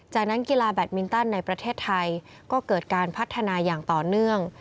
จากนั้นกีฬาแบตมินตันในประเทศไทยก็เกิดการพัฒนาอย่างต่อเนื่อง